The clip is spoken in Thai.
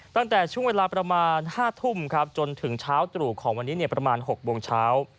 ตั้งแต่ช่วงเวลาประมาณ๕ทุ่มครับจนถึงเช้าตรู่ของวันนี้ประมาณ๖โมงเช้า